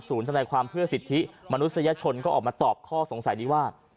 สูญฐานนายความเพื่อสิทธิ์มนุษยชนก็เอามาตอบข้อสงสัยดีว่า